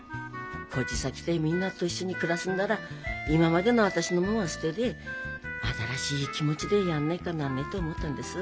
こっちさ来てみんなと一緒に暮らすんなら今までの私の物は捨てて新しい気持ちでやんねっかなんねえと思ったんです。